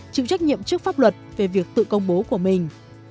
chịu trách nhiệm trước pháp luật về việc tự công bố của mình